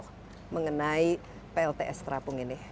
apa yang terjadi di plts terapung ini